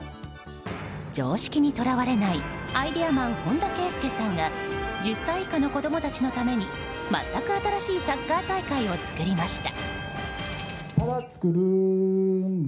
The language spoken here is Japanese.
常識にとらわれないアイデアマン、本田圭佑さんが１０歳以下の子供たちのために全く新しいサッカー大会を作りました。